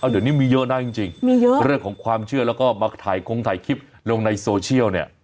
เดี๋ยวนี้มีเยอะนะจริงเรื่องของความเชื่อแล้วก็มาถ่ายคลิปลงในโซเชียล